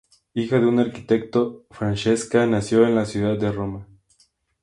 Hija de un arquitecto, Francesca nació en la ciudad de Roma.